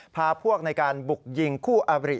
พาพวกในการบุกยิงคู่อบริ